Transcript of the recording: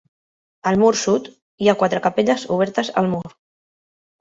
Al mur sud, hi ha quatre capelles obertes al mur.